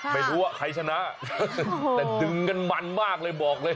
ไม่รู้ว่าใครชนะแต่ดึงกันมันมากเลยบอกเลย